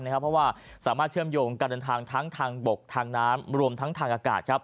เพราะว่าสามารถเชื่อมโยงการเดินทางทั้งทางบกทางน้ำรวมทั้งทางอากาศ